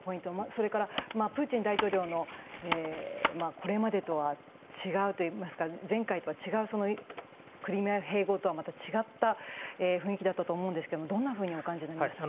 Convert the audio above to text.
それから、プーチン大統領のこれまでとは違うといいますか前回、クリミア併合とはまた違った雰囲気だったと思うんですがどんなふうにお感じになりましたか。